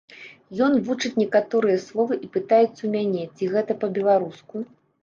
Ён вучыць некаторыя словы і пытаецца ў мяне, ці гэта па-беларуску.